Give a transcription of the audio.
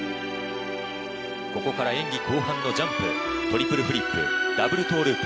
ここから演技後半のジャンプ。トリプルフリップダブルトーループ